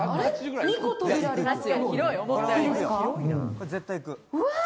２個、扉がありますよ。